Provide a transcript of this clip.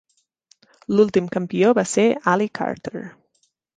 L'últim campió va ser Ali Carter.